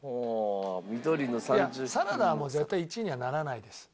サラダはもう絶対１位にはならないです。